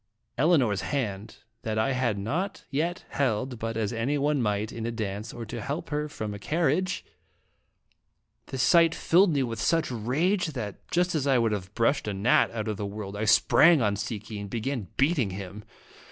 io8 &lje Dramatic in Jttji Sleeting. Elinor's hand that I had not yet held but as any one might, in a dance, or to help her from a carriage! The sight filled me with such rage, that, just as I would have brushed a gnat out of the world, I sprang on Si ki and began beating him.